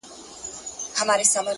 ریښتینی عزت اخیستل نه بلکې ګټل کېږي!